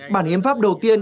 bản hiến pháp đầu tiên